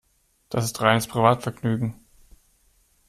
Das ist reines Privatvergnügen.